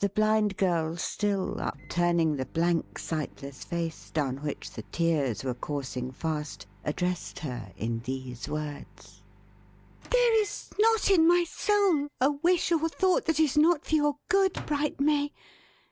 The Blind Girl still, upturning the blank sightless face, down which the tears were coursing fast, addressed her in these words: "There is not, in my Soul, a wish or thought that is not for your good, bright May!